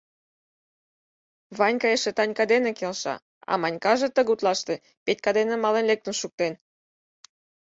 Ванька эше Танька дене келша, а Манькаже тыгутлаште Петька дене мален лектын шуктен...